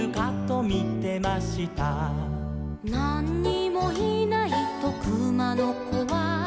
「なんにもいないとくまのこは」